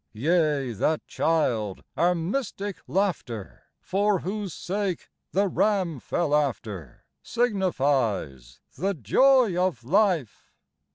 Yea, that child, our mystic Laughter, For whose sake the ram fell after, Signifies the Joy of Life.